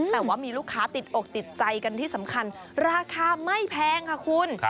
แต่ว่ามีลูกค้าติดอกติดใจกันที่สำคัญราคาไม่แพงค่ะคุณ